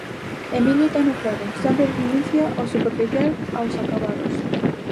Emilio teno claro, sempre renuncia ao superficial, aos acabados.